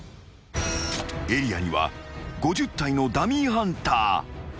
［エリアには５０体のダミーハンター］